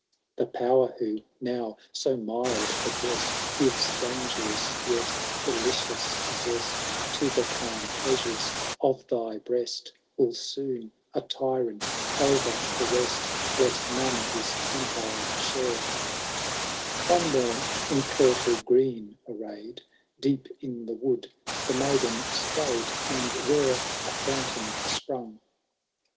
The power who, now so mild a guest, Gives dangerous yet delidoua zest To the calm pleasures of thy breaft» Will soon, a tyrant o*er the rest. Let none his empire share. 134 HAROLD THB DAUNTLESS. CotUO IL V. One morn, in kiitle green arrayed. Deep in the wood the maiden BtrayM, And, where a fomitain spning.